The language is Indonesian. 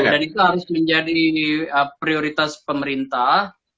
dan itu harus menjadi prioritas pemerintah